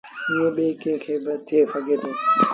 ائيٚݩ ٻيٚ ڪڪي با ٿئي ديٚ۔